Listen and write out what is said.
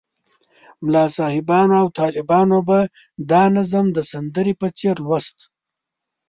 ملا صاحبانو او طالبانو به دا نظم د سندرې په څېر لوست.